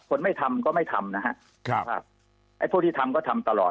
คนไม่ทำก็ไม่ทำนะฮะครับไอ้พวกที่ทำก็ทำตลอด